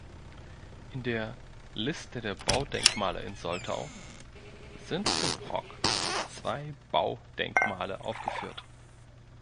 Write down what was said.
In der "Liste der Baudenkmale in Soltau" sind für Brock zwei Baudenkmale aufgeführt.